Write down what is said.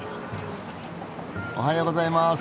おはようございます。